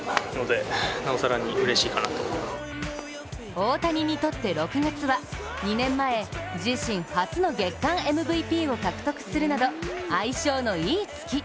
大谷にとって６月は２年前、自身初の月間ＭＶＰを獲得するなど相性のいい月。